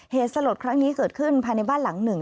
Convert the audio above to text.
เหตุสลดครั้งนี้เกิดขึ้นภายในบ้านหลังหนึ่ง